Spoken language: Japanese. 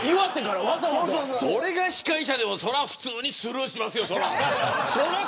俺が司会者でもそれは普通にスルーしますよ。